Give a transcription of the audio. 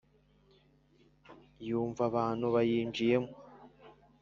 Yumva abantu bayinjiyemo,